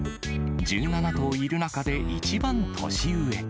１７頭いる中で一番年上。